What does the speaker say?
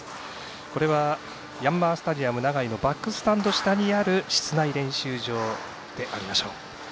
これはヤンマースタジアム長居のバックスタンド下にある室内練習場でありましょう。